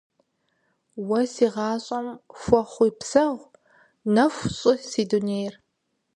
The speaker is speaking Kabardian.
Уэ си гъащӏэм хуэхъуи гъусэ, нэху щӏы си дунейр.